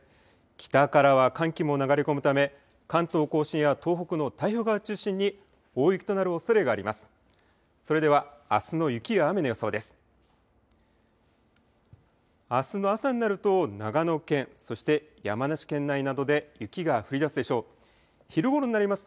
北からは寒気も流れ込むため関東甲信や東北の太平洋側を中心に大雪となるおそれがあります。